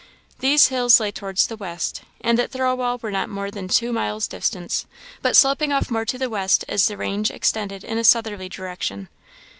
These hills lay towards the west, and at Thirlwall were not more than two miles distant, but sloping off more to the west as the range extended in a southerly direction.